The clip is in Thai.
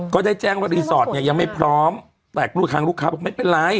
ก็ได้แจ้งว่ารีสอร์ตเนี้ยยังไม่พร้อมแต่ผู้ทางลูกค้าบอก